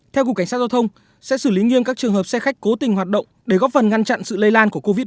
theo cục cảnh sát giao thông sẽ xử lý nghiêm các trường hợp xe khách cố tình hoạt động để góp phần ngăn chặn sự lây lan của covid một mươi